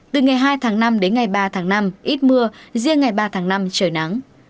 từ ngày hai tháng năm đến ngày ba tháng năm ít mưa riêng ngày ba tháng năm trời nắng